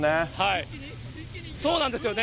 そうなんですよね。